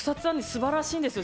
すばらしいんですよ。